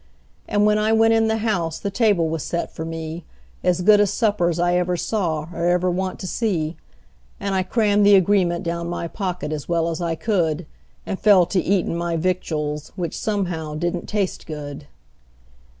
And when I went in the house the table was set for me As good a supper's I ever saw, or ever want to see; And I crammed the agreement down my pocket as well as I could, And fell to eatin' my victuals, which somehow didn't taste good.